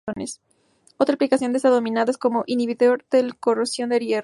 Otra aplicación de esta diamina es como inhibidor de la corrosión del hierro.